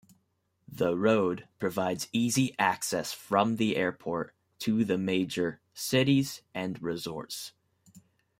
The road provides easy access from the airport to the major cities and resorts.